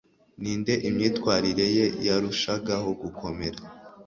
ninde imyitwarire ye yarushagaho gukomera